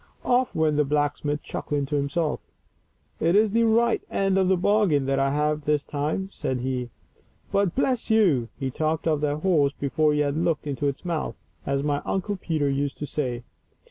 Of! went the blacksmith, chuckling to himself. " It is the right end of the bargain that I have this time," said he. But, bless you ! he talked of that horse before he had looked into its mouth, as my Uncle Peter used to say.